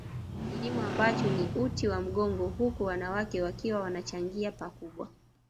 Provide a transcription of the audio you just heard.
Kilimo ambacho ni uti wa mgongo huku wanawake wakiwa wanachangia pakubwa